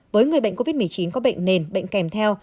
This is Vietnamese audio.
với người bệnh covid một mươi chín có bệnh nền bệnh kèm theo